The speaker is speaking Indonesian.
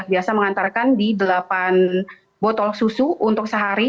biasa mengantarkan di delapan botol susu untuk sehari